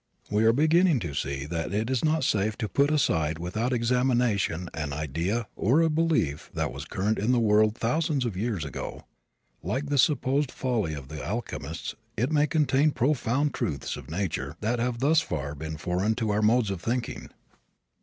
We are beginning to see that it is not safe to put aside without careful examination an idea or a belief that was current in the world thousands of years ago. Like the supposed folly of the alchemists it may contain profound truths of nature that have thus far been foreign to our modes of thinking.